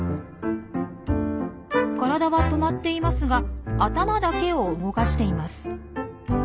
体は止まっていますが頭だけを動かしています。